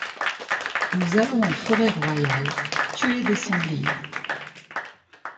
Nous allons en forêt royale tuer des sangliers.